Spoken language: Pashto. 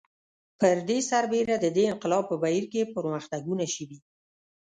پر دې سربېره د دې انقلاب په بهیر کې پرمختګونه شوي